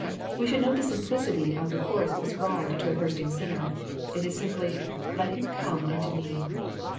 We should note the simplicity of the course prescribed to a thirsting sinner. — It is simply, Let him come unto Me."